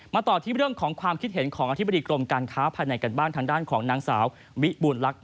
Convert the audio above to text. ต่อที่เรื่องของความคิดเห็นของอธิบดีกรมการค้าภายในกันบ้างทางด้านของนางสาววิบูลลักษณ